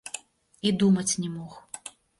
І думаць не мог.